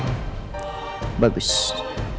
aku mau aku mau gak